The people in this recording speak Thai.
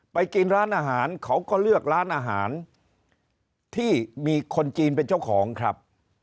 ไปกินร้านอาหารเขาก็เลือกร้านอาหารที่มีคนจีนเป็นเจ้าของครับ